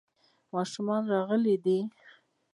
ماشومان غلي دي .